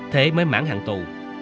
thế mới mãn hạng tù